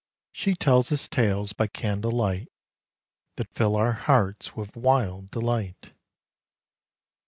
She tells us tales by candle light, That fill our hearts with wild delight.